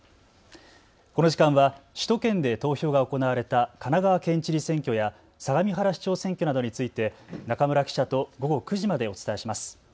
この時間は首都圏で投票が行われた神奈川県知事選挙や相模原市長選挙などについて中村記者と午後９時までお伝えします。